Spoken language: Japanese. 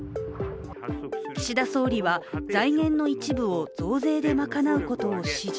岸田総理は、財源の一部を増税で賄うことを指示。